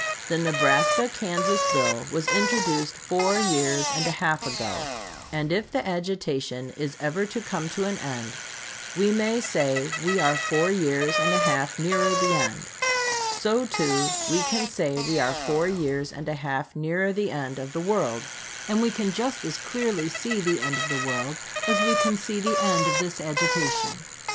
The Nebraska Kansas bill was introduced four years and a half ago, and if the agitation is ever to come to an end, we may say we are four years and a half nearer the end. So too we can say we are four years and a half nearer the end of the world; and we can just as clearly see the end of the world as we can see the end of this agitation.